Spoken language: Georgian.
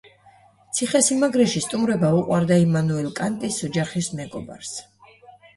ციხესიმაგრეში სტუმრობა უყვარდა იმანუელ კანტის, ოჯახის მეგობარს.